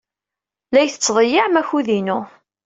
La iyi-tettḍeyyiɛem akud-inu.